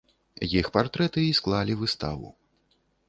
Іх партрэты і склалі выставу.